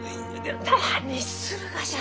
何するがじゃ。